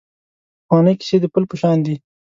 پخوانۍ کیسې د پل په شان دي .